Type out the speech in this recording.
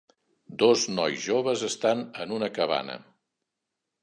Dos nois joves estan en una cabana.